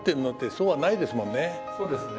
そうですね。